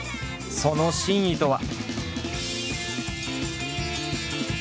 その真意とは？